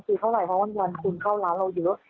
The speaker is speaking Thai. คือเท่าไหร่เพราะว่าวันคุณเข้าร้านเราเยอะ